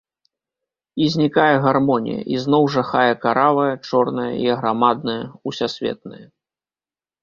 І знікае гармонія, ізноў жахае каравае, чорнае і аграмаднае, усясветнае.